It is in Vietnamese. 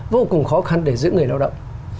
vô cùng khó khăn để giữ người lao động